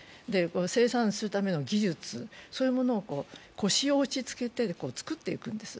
生産するための技術、そういうものを腰を落ち着けてつくっていくんです。